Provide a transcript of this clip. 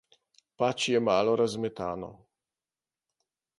Pač je malo razmetano.